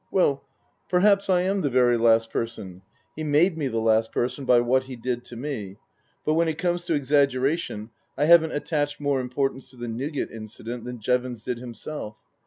" Well, perhaps I am the very last person he made me the last person by what he did to me but when it comes to exaggeration I haven't attached more importance to the Nougat Incident than Jevons did himself.